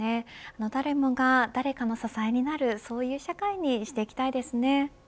誰もが誰かの支えになるそういう社会にしていきたいですね。